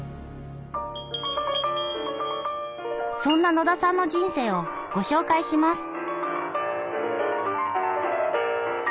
そんな野田さんの人生をご紹介します。